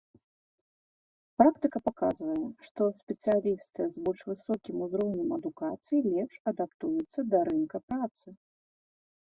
Практыка паказвае, што спецыялісты з больш высокім узроўнем адукацыі лепш адаптуюцца да рынка працы.